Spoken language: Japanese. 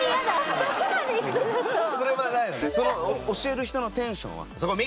その教える人のテンションは？